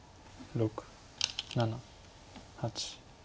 ６７８。